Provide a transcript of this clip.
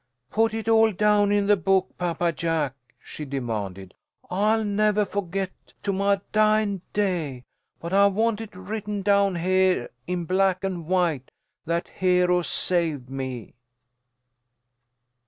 "Put it all down in the book, Papa Jack," she demanded. "I'll nevah forget to my dyin' day, but I want it written down heah in black and white that Hero saved me!"